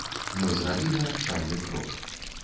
Мы зрабілі адчайны крок.